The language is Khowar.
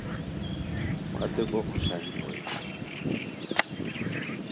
متے بو خوشانی ہوئے